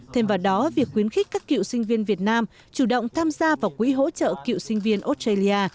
thêm vào đó việc khuyến khích các cựu sinh viên việt nam chủ động tham gia vào quỹ hỗ trợ cựu sinh viên australia